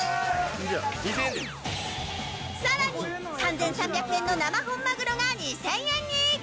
さらに、３３００円の生本マグロが２０００円に。